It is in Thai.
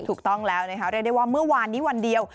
ถูกต้องแล้วนะคะเรียกได้ว่าเมื่อวานนี้วันเดียว